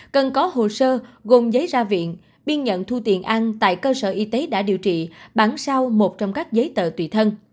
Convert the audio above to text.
cần có hồ sơ gồm giấy ra viện biên nhận thu tiền ăn tại cơ sở y tế đã điều trị bản sao một trong các giấy tờ tùy thân